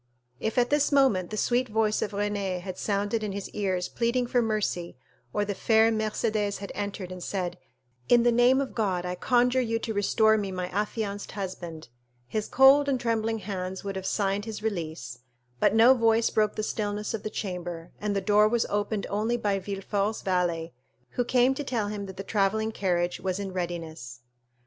If at this moment the sweet voice of Renée had sounded in his ears pleading for mercy, or the fair Mercédès had entered and said, "In the name of God, I conjure you to restore me my affianced husband," his cold and trembling hands would have signed his release; but no voice broke the stillness of the chamber, and the door was opened only by Villefort's valet, who came to tell him that the travelling carriage was in readiness.